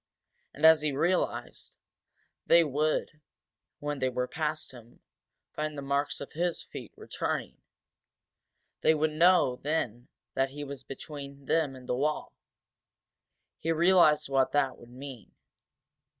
And, as he realized, they would, when they were past him, find the marks of his feet returning. They would know then that he was between them and the wall. He realized what that would mean.